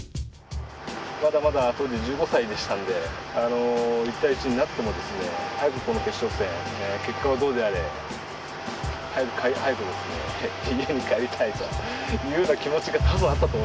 まだまだ当時１５歳でしたんで１対１になってもですね早くこの決勝戦結果はどうであれ早く家に帰りたいというような気持ちが多分あったと思いますね。